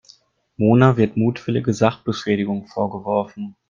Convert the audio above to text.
Mona wird mutwillige Sachbeschädigung vorgeworfen.